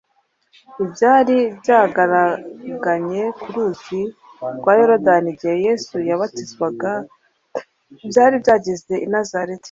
Ibyari byagaraganye ku ruzi rwa Yorodani igihe Yesu yabatizwaga byari byageze i Nazareti,